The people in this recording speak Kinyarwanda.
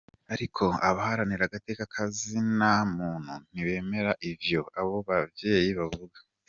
Ariko abaharanira agateka ka zina muntu ntibemera ivyo abo bavyeyi bavuga.